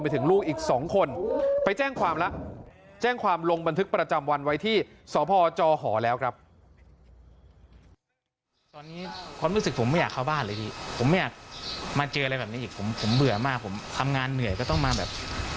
ตอนนี้รู้สึกผมไม่อยากเข้าบ้านเลยพี่ผมไม่อยากมาเจออะไรแบบนี้อีกผมเบื่อมากผมทำงานเหนื่อยก็ต้องมาแบบ